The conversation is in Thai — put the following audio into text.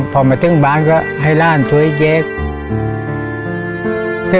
พอมาถึงบ้านก็ให้ร่านเธอยักษ์